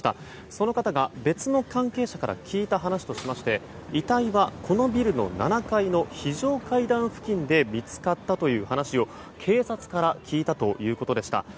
その方が、別の関係者から聞いた話としまして遺体は、このビルの７階の非常階段付近で見つかったという話を警察から聞いたということでした。